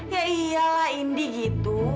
ya iyalah indy gitu